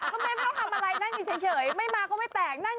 ก็ไม่ต้องทำอะไรนั่งอยู่เฉยไม่มาก็ไม่แตกนั่ง